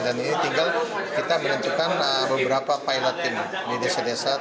dan ini tinggal kita menentukan beberapa piloting di desa desa